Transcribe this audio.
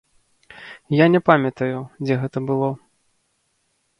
Я не памятаю, дзе гэта было.